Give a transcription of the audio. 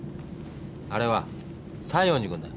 あれは西園寺君だ。